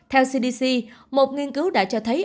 theo cdc một nghiên cứu đã cho thấy